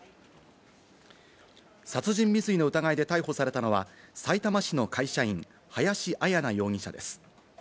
殺人未遂の疑いで逮捕されたのはさいたま市の会社員、林絢奈容疑者です。